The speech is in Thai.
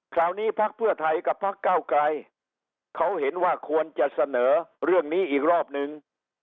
พักเพื่อไทยกับพักเก้าไกรเขาเห็นว่าควรจะเสนอเรื่องนี้อีกรอบนึง